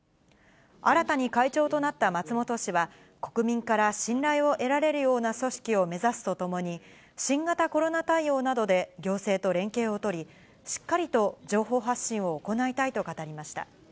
新たに会長となった松本氏は、国民から信頼を得られるような組織を目指すとともに、新型コロナ対応などで行政と連携を取り、しっかりと情報発信を行いたいと語りました。